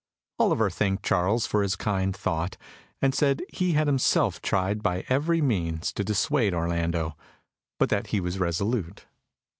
Oliver thanked Charles for his kind thought, and said he had himself tried by every means to dissuade Orlando, but that he was resolute.